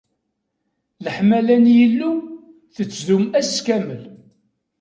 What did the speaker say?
Leḥmala n Yillu tettdum ass kamel!